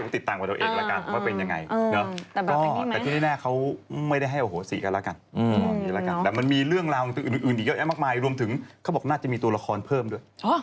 ที่ได้มีการแชร์กันออกไปอะเดี๋ยวหายไปแล้วอะค้างไปแล้ว